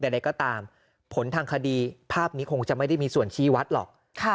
ใดก็ตามผลทางคดีภาพนี้คงจะไม่ได้มีส่วนชี้วัดหรอก